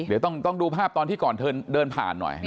เดี๋ยวต้องดูภาพตอนที่ก่อนเธอเดินผ่านหน่อย